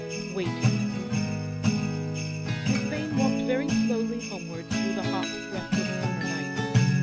WAITING. Miss Vane walked very slowly homeward through the hot, breathless summer night.